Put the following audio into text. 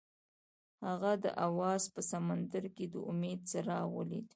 هغه د اواز په سمندر کې د امید څراغ ولید.